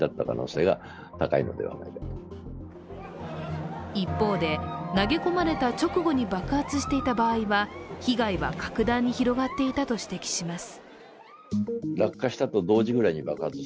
専門家の分析は一方で、投げ込まれた直後に爆発していた場合は被害は格段に広がっていたと指摘します。